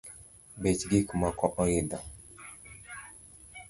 Bech gikmoko oidho